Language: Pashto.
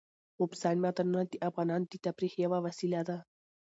اوبزین معدنونه د افغانانو د تفریح یوه وسیله ده.